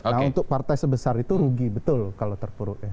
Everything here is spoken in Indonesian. nah untuk partai sebesar itu rugi betul kalau terpuruk